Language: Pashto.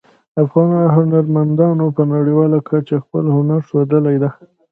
افغان هنرمندانو په نړیواله کچه خپل هنر ښودلی ده